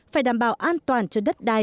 phải đảm bảo an toàn cho đất đai